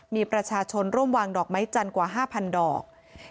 มีประชาชนร่วมวางดอกไม้จันทร์กว่า๕๐๐ดอก